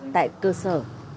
tại cơ sở